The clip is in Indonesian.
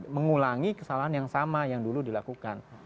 mengulangi kesalahan yang sama yang dulu dilakukan